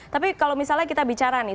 tapi kalau misalnya kita bicara nih